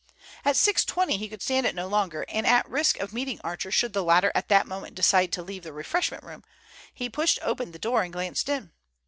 At 6.20 he could stand it no longer, and at risk of meeting Archer, should the latter at that moment decide to leave the refreshment room, he pushed open the door and glanced in.